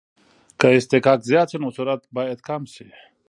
که اصطکاک زیات شي نو سرعت باید کم شي